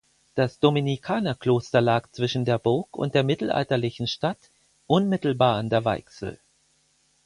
Das Dominikanerkloster lag zwischen der Burg und der mittelalterlichen Stadt unmittelbar an der Weichsel.